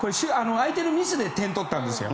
相手のミスで点を取ったんですよ。